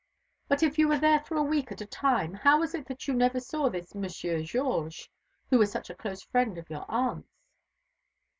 "But if you were there for a week at a time, how was it that you never saw this Monsieur Georges, who was such a close friend of your aunt's?"